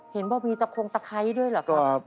เห็นว่ามีตะโคงตะไคร้ด้วยเหรอครับ